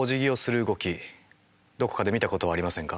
どこかで見たことはありませんか？